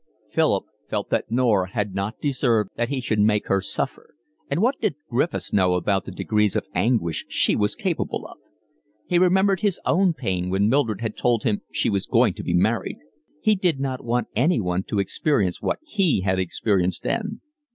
Philip felt that Norah had not deserved that he should make her suffer; and what did Griffiths know about the degrees of anguish she was capable of? He remembered his own pain when Mildred had told him she was going to be married. He did not want anyone to experience what he had experienced then.